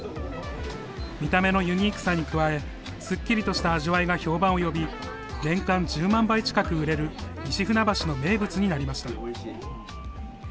見た目のユニークさに加え、すっきりとした味わいが評判を呼び、年間１０万杯近く売れる西船橋の名物になりました。